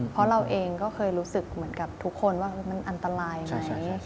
เพราะเราเองก็เคยรู้สึกเหมือนกับทุกคนว่ามันอันตรายไหม